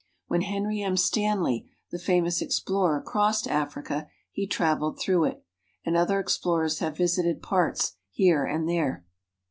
When Henry M. Stanley, the famous explorer, crossed Africa, he traveled through it, and other explorers have visited parts here and there.